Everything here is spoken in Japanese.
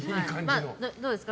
どうですか？